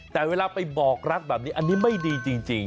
แต่เวลาไปบอกรักแบบนี้อันนี้ไม่ดีจริง